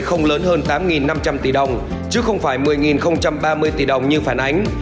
không lớn hơn tám năm trăm linh tỷ đồng chứ không phải một mươi ba mươi tỷ đồng như phản ánh